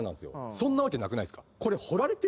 そんなわけなくないっすか？